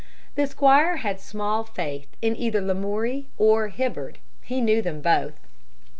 The squire had small faith in either Lamoury or Hibbard. He knew them both.